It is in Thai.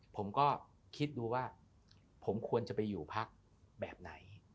ผมก็คิดดูว่าผมควรจะไปอยู่พักแบบไหน